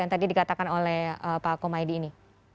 yang tadi dikatakan oleh pak komaydi ini